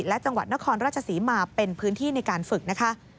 และจังหวัดนครราชศรีมาเป็นพื้นที่ในการฝึกนะคะ